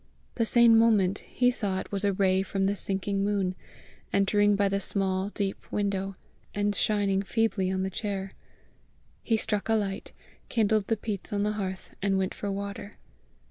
The same moment he saw it was a ray from the sinking moon, entering by the small, deep window, and shining feebly on the chair. He struck a light, kindled the peats on the hearth, and went for water.